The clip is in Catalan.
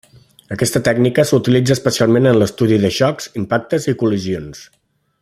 Aquesta tècnica s'utilitza especialment en l'estudi de xocs, impactes i col·lisions.